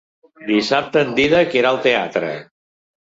Dissabte en Dídac irà al teatre.